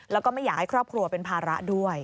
แล้วก็ไม่อยากให้ครอบครัวเป็นภาระด้วย